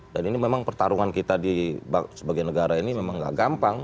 dan ini memang pertarungan kita sebagai negara ini memang gak gampang